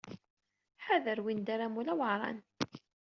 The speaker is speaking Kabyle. Ḥader. Win d aramul aweɛṛan.